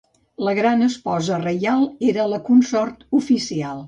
La Gran Esposa Reial era la consort oficial.